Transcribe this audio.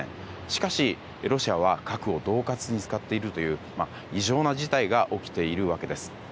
しかし、ロシアは核を恫喝に使っているという異常な事態が起きているわけです。